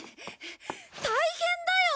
大変だよ！